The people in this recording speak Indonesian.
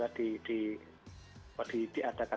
oke pak agus dari sisi konsumen